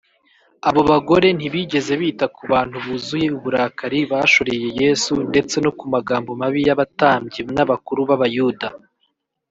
abo bagore ntibigeze bita ku bantu buzuye uburakari bashoreye yesu ndetse no ku magambo mabi y’abatambyi n’abakuru b’abayuda